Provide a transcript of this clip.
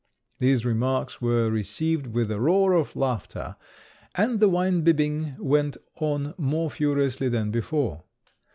These remarks were received with a roar of laughter, and the wine bibbing went on more furiously than before.